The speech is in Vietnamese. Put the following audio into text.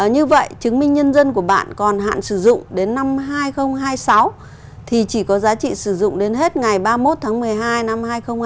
như vậy chứng minh nhân dân của bạn còn hạn sử dụng đến năm hai nghìn hai mươi sáu thì chỉ có giá trị sử dụng đến hết ngày ba mươi một tháng một mươi hai năm hai nghìn hai mươi ba